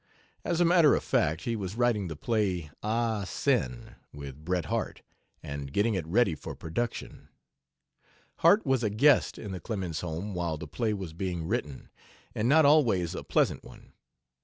As a matter of fact, he was writing the play, "Ah Sin," with Bret Harte, and getting it ready for production. Harte was a guest in the Clemens home while the play was being written, and not always a pleasant one.